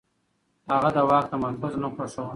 هغه د واک تمرکز نه خوښاوه.